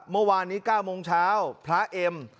เมื่อวานนี้๙โมงเช้าพระเอ็ม